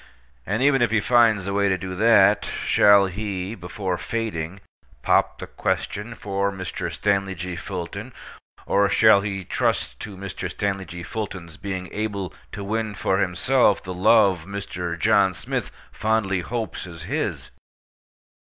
And, even if he finds the way to do that, shall he, before fading, pop the question for Mr. Stanley G. Fulton, or shall he trust to Mr. Stanley G. Fulton's being able to win for himself the love Mr. John Smith fondly hopes is his?